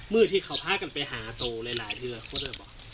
เมื่อที่เขาพากันไปหาโตหลายเที่ยว